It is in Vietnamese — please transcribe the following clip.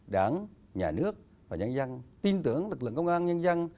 đảng nhà nước và nhân dân tin tưởng lực lượng công an nhân dân